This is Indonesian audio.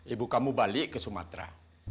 ibu kamu balik ke sumatera